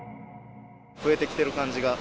増えてきてる感じが。